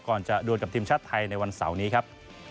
ก่อนจะดวนกับทีมชาติไทยในวันเสาร์นี้ครับ